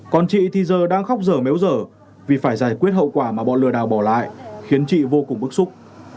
còn chị thì giờ đang khóc dở méo dở vì phải giải quyết hậu quả mà bọn lừa đảo bỏ lại khiến chị vô cùng bức xúc